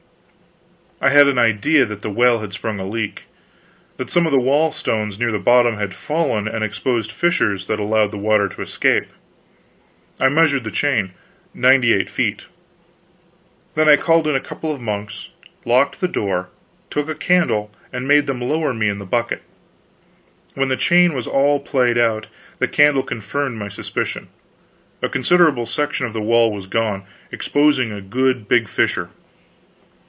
I had an idea that the well had sprung a leak; that some of the wall stones near the bottom had fallen and exposed fissures that allowed the water to escape. I measured the chain 98 feet. Then I called in a couple of monks, locked the door, took a candle, and made them lower me in the bucket. When the chain was all paid out, the candle confirmed my suspicion; a considerable section of the wall was gone, exposing a good big fissure.